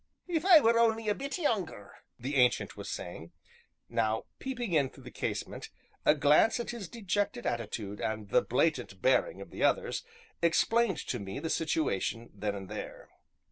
"If I were only a bit younger!" the Ancient was saying. Now, peeping in through the casement, a glance at his dejected attitude, and the blatant bearing of the others, explained to me the situation then and there.